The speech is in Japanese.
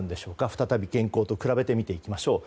再び現行と比べて見ていきましょう。